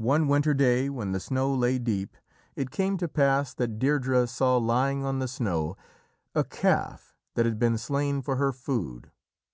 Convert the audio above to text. One winter day, when the snow lay deep, it came to pass that Deirdrê saw lying on the snow a calf that had been slain for her food.